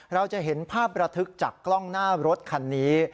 เราจะเห็นภาพระทึกจากกล้องหน้ารถคันนี้